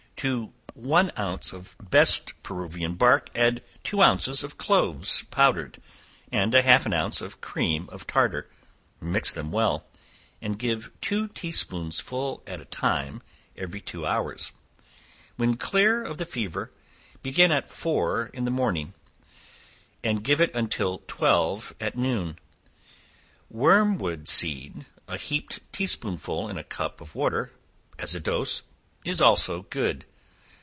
To one ounce of best Peruvian bark, add two ounces of cloves powdered, and a half an ounce of cream of tartar; mix them well, and give two tea spoonsful at a time every two hours: when clear of fever, begin at four in the morning, and give it until twelve at noon. Wormwood seed, a heaped tea spoonful in a cup of water, as a dose, is also good.